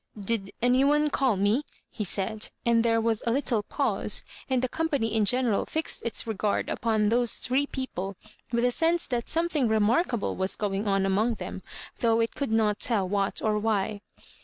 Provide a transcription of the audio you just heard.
"Did any one call me?" he said; and there was a little pause, and the company in general fixed its regard upon those three people with a sense that something remarkable was going on among them, though it could not tell what or why.